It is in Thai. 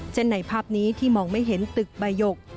ในภาพนี้ที่มองไม่เห็นตึกบายก